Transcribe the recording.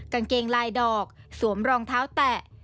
กางเกงลายดอกสวมรองเท้าแตะ